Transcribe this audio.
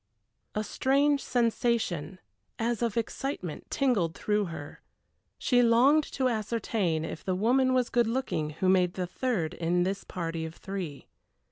A strange sensation, as of excitement, tingled through her. She longed to ascertain if the woman was good looking who made the third in this party of three.